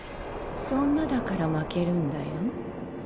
そんなだから負けるんだよ。